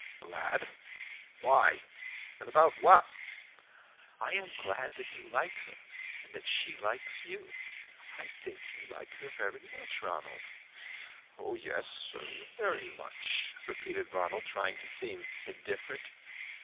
"Glad? Why? About what?" "I am glad that you like her, and that she likes you. I think you like her very much, Ronald." "Oh yes, very much," repeated Ronald, trying to seem indifferent.